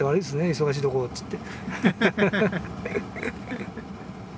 忙しいところ」っつって。